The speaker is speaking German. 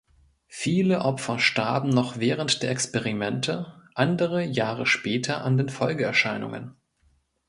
Viele Opfer starben noch während der Experimente, andere Jahre später an den Folgeerscheinungen.